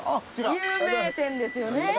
有名店ですよね